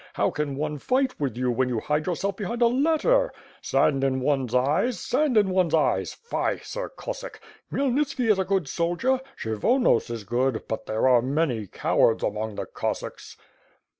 How can one fight with you when you hide yourself behind a letter? Sand in one's eyes, sand in one's eyes! Fie! Sir Cossack. Khmyelnitski is a good soldier, Kshyvonos is good, but there are many cowards among the Cossacks."